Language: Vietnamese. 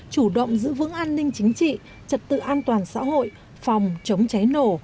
chủ động giữ vững an ninh chính trị trật tự an toàn xã hội phòng chống cháy nổ